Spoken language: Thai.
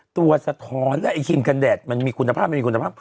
ตัวสะท้อนและไอ้ครีมกันแดดมันมีคุณภาพ